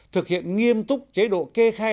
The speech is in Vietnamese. thực hiện nghiêm túc chế độ kê khai